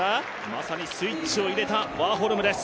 まさにスイッチを入れたワーホルムです。